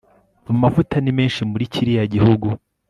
Amavuta ni menshi muri kiriya gihugu